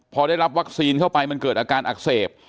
พอได้รับวัคซีนเข้าไปมันเกิดอาการอักเสบ